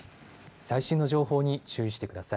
最新の情報に注意してください。